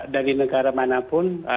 dari negara manapun